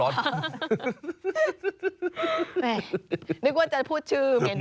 นึกว่าจะพูดชื่อเมนูมาก